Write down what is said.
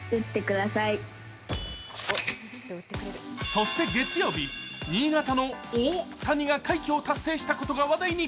そして月曜日、新潟の大谷が快挙を達成したことが話題に。